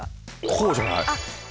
こうじゃない？あっ。